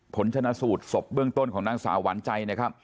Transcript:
ขนชะนะสูตรศพเบื้องต้นของนางสาวร้านใจ